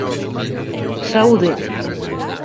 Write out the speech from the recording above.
Saúde!